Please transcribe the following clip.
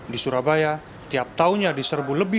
di surabaya tiap tahunnya diserbu lebih